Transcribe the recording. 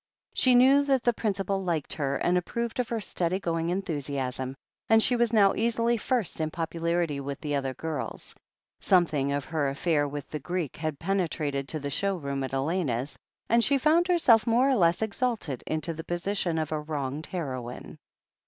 She knew that the Principal liked her and approved of her steady going enthusiasm, and she was now easily first in popularity with the other girls. Something of her affair with the Greek had penetrated to the show room at Elena's, and she found herself more or less exalted into the position of a wronged heroine.